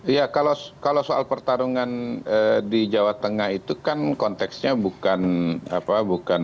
ya kalau soal pertarungan di jawa tengah itu kan konteksnya bukan bapuan dan mas nanan